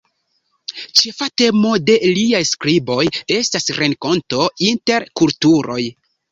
Ĉefa temo de liaj skriboj estas renkonto inter kulturoj.